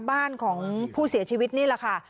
บ้านของผู้เสียชีวิตนี่แหละค่ะ